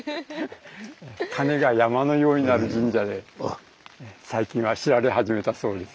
「金が山のようになる神社」で最近は知られ始めたそうです。